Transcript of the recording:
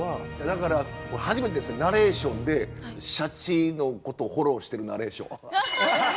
だから初めてですナレーションでシャチのことをフォローしてるナレーションは。